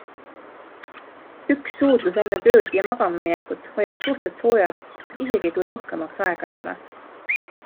Üks suudlus enne tööd ja magamaminekut hoiab suhted soojad isegi, kui rohkemaks aega ei ole.